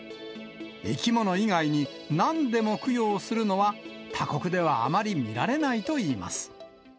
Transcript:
生き物以外に何でも供養するのは他国ではあまり見られないといいます。